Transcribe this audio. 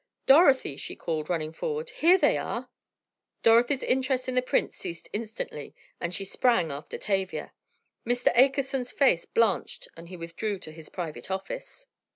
"Dorothy," she called, running forward. "Here they are!" Dorothy's interest in the prints ceased instantly, and she sprang after Tavia. Mr. Akerson's face blanched and he withdrew to his private office.